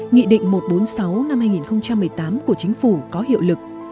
nghị định một trăm bốn mươi sáu năm hai nghìn một mươi tám của chính phủ có hiệu lực